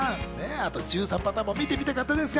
あと１３パターンも見てみたかったですが。